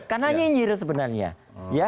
karena nyenyir sebenarnya